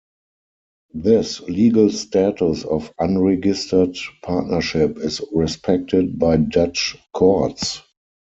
This legal status of unregistered partnership is respected by Dutch courts.